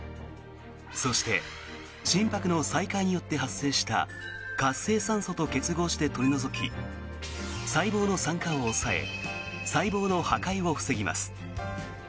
そして、心拍の再開によって発生した活性酸素と結合して取り除き細胞の酸化を抑え細胞の破壊を防ぎます。